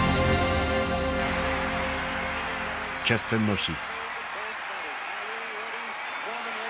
決戦の日。